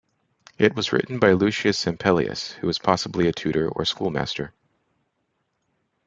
It was written by Lucius Ampelius, who was possibly a tutor or schoolmaster.